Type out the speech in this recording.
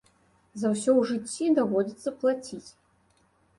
За ўсё ў жыцці даводзіцца плаціць.